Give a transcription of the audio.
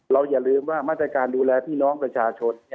อย่าลืมว่ามาตรการดูแลพี่น้องประชาชน